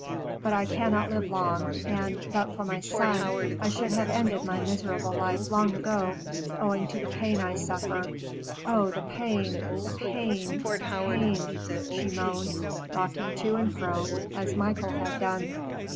But I cannot live long, and, but for my son, I should have ended my miserable life long ago, owing to the pain I suffer. Oh the pain the pain the pain!" she moaned, rocking to and fro as Michael had done.